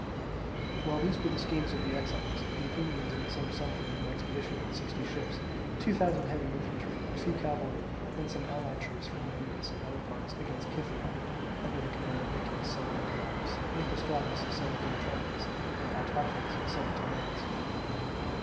While these were the schemes of the exiles, the Athenians in the same summer made an expedition with sixty ships, two thousand heavy infantry, a few cavalry, and some allied troops from Miletus and other parts, against Cythera, under the command of Nicias, son of Niceratus, Nicostratus, son of Diotrephes, and Autocles, son of Tolmaeus.